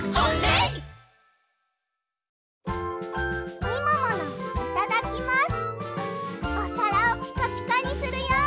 いただきます！